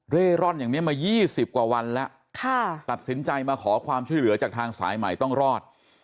ร่อนอย่างนี้มา๒๐กว่าวันแล้วตัดสินใจมาขอความช่วยเหลือจากทางสายใหม่ต้องรอด